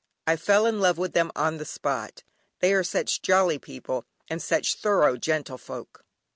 I fell in love with them on the spot, they are such jolly people and such thorough gentlefolk.